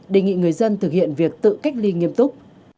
đề nghị người dân thực hiện việc tự cách ly nghiêm túc